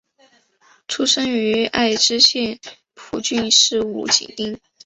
出身于爱知县蒲郡市五井町。